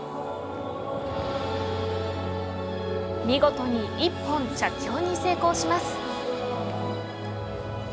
見事に１本着氷に成功します。